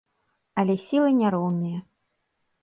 Але сілы не роўныя.